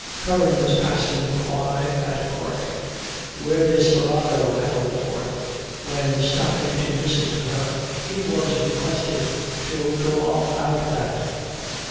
Curran was passing the quay at Cork where this virago held forth, when, stopping to listen to her, he was requested to "go on ou' that."